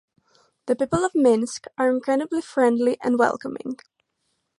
The people of Minsk are incredibly friendly and welcoming.